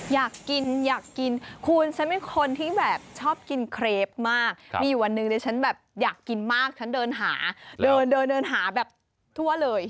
อยากกินอยากกินคุณฉันเป็นคนที่แบบชอบกินเครปมากมีอยู่วันหนึ่งดิฉันแบบอยากกินมากฉันเดินหาเดินเดินหาแบบทั่วเลย